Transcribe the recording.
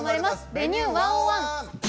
「Ｖｅｎｕｅ１０１」。